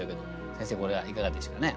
先生これはいかがでしょうかね。